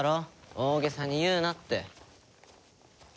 大げさに言うなって。